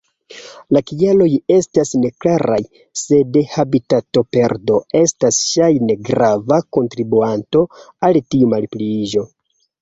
La kialoj estas neklaraj, sed habitatoperdo estas ŝajne grava kontribuanto al tiu malpliiĝo.